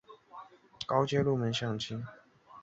所有奖章都是在西点金银储备处打造。